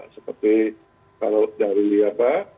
seperti kalau dari apa